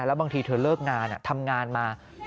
แล้วบางทีเธอเลิกงานทำงานมา